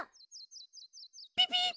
ピピッ！